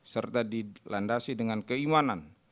serta dilandasi dengan keimanan